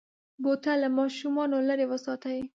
بوتل له ماشومو لرې وساتئ.